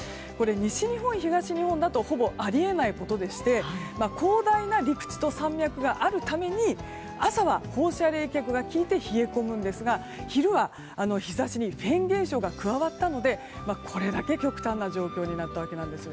西日本、東日本だとほぼあり得ないことでして広大な陸地と山脈があるために朝は放射冷却が効いて冷え込むんですが昼は日差しにフェーン現象が加わったのでこれだけ極端な状況になったわけなんです。